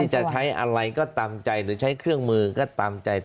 จะใช้อะไรก็ตามใจหรือใช้เครื่องมือก็ตามใจ